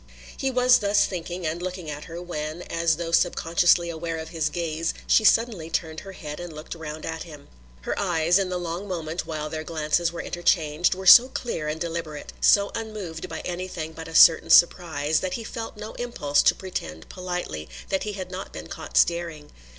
He was thus thinking, and looking at her, when, as though sub consciously aware of his gaze, she suddenly turned her head and looked round at him. Her eyes, in the long moment while their glances were interchanged, were so clear and deliberate, so unmoved by anything but a certain surprise, that he felt no impulse to pretend politely that he had not been caught staring.